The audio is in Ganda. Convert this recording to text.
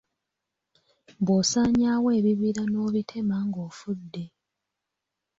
Bw’osaanyaawo ebibira n’obitema ng’ofudde.